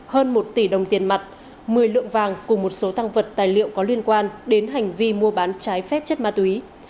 hơn một tỷ đồng tiền mặt một mươi lượng vàng cùng một số tăng vật tài liệu có liên quan đến hành vi mua bán trái phép chất ma túy